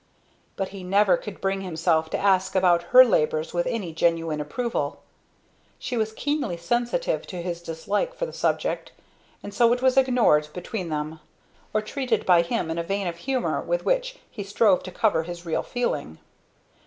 But he never could bring himself to ask about her labors with any genuine approval; she was keenly sensitive to his dislike for the subject, and so it was ignored between them, or treated by him in a vein of humor with which he strove to cover his real feeling.